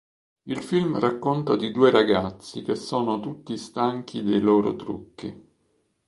Il film racconta di due ragazzi che sono tutti stanchi dei loro trucchi.